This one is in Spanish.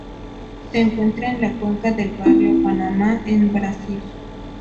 Se encuentra en la cuenca del río Paraná en Brasil.